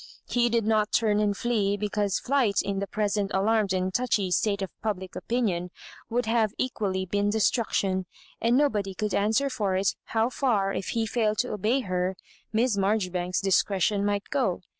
He did not turn and flee, because flight, in the present alarmed and touchy state of public opinion, would have equally been de struction ; and nobody could answer for it how far, if he failed to obejj her. Miss Marjoribanks's discretion might go.